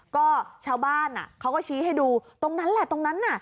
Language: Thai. ก็ชาวบ้านเขาก็ชี้ให้ดูตรงนั้นแหละตรงนั้นน่ะ